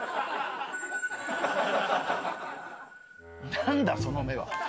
何だその目は。